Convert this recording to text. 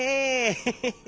ヘヘヘ。